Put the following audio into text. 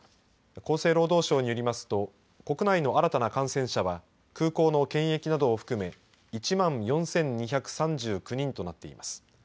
厚生労働省によりますと国際の新たな感染者は空港の検疫などを含め１万４２３９人となっています。